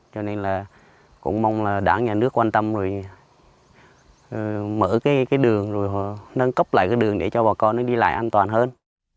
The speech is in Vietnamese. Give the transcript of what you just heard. cho nên là cũng mong là đảng nhà nước quan tâm rồi mở cái đường rồi nâng cấp lại cái đường để cho bà con nó đi lại an toàn hơn